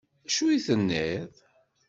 Acu tenniḍ?